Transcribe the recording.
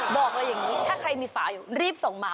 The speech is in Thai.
บอกเลยอย่างนี้ถ้าใครมีฝาอยู่รีบส่งมา